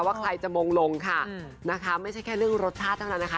ว่าใครจะมงลงค่ะนะคะไม่ใช่แค่เรื่องรสชาติเท่านั้นนะคะ